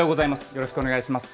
よろしくお願いします。